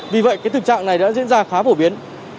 vì vậy cái thực trạng này đã diễn ra khá phổ biến